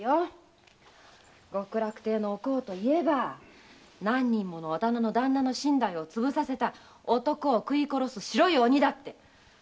極楽亭のお幸って「何人もの旦那に身代をつぶさせた男を食い殺す白い鬼」だって